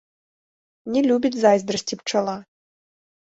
Не любіць зайздрасці пчала